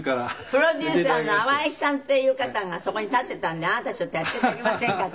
プロデューサーの粟井さんっていう方がそこに立ってたんであなたちょっとやって頂けませんか？